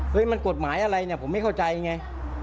มันกฎหมายอะไรเนี่ยผมไม่เข้าใจไง